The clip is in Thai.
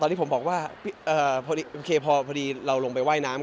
ตอนนี้ผมบอกว่าโอเคพอดีเราลงไปว่ายน้ำ